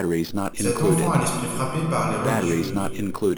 Cette enfant a l'esprit frappé par les religieuses.